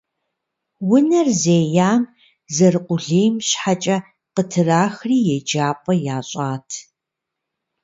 Унэр зеям, зэрыкъулейм щхьэкӏэ, къытрахри еджапӏэ ящӏат.